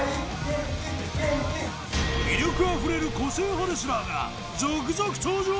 魅力あふれる個性派レスラーが続々登場！